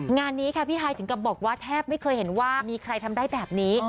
งานนี้ค่ะพี่ฮายถึงกับบอกว่าแทบไม่เคยเห็นว่ามีใครทำได้แบบนี้